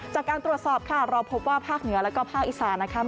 จากการตรวจสอบค่ะเราพบว่าภาคเหนือแล้วก็ภาคอีสานนะคะ